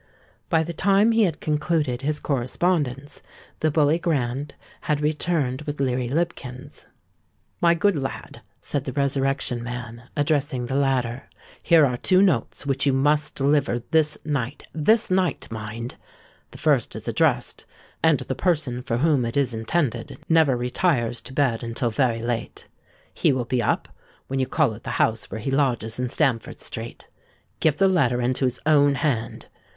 By the time he had concluded his correspondence, the Bully Grand had returned with Leary Lipkins. "My good lad," said the Resurrection Man, addressing the latter, "here are two notes, which you must deliver this night—this night, mind. The first is addressed; and the person for whom it is intended never retires to bed until very late. He will be up, when you call at the house where he lodges in Stamford Street. Give the letter into his own hand.